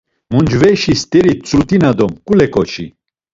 Muncveşi st̆eri, tzulut̆ina do mǩule ǩoçi.